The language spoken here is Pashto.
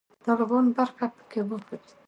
طالبان برخه پکښې واخلي.